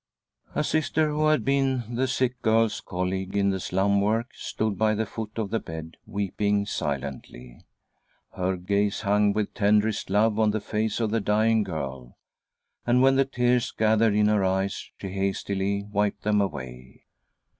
A Sister, who had been the sick girl's colleague in the slum work, stood by the foot of the • bed weeping silently. Her gaze hung with tenderest love on the face of the dying girl, and when the tears gathered in her eyes she hastily wiped them away.